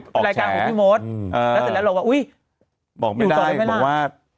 แล้วเสร็จแล้วเราบอกอุ้ยดูต่อแรงไว้ล่าง